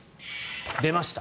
出ました